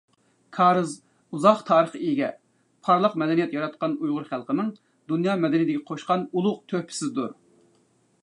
كارىز ئۇزاق تارىخقا ئىگە، پارلاق مەدەنىيەت ياراتقان ئۇيغۇر خەلقىنىڭ دۇنيا مەدەنىيىتىگە قوشقان ئۇلۇغ تۆھپىسىدۇر.